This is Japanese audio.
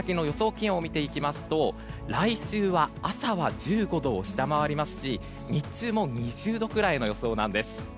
気温を見ていきますと来週は朝は１５度を下回りますし日中も２０度ぐらいの予想なんです。